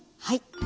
はい。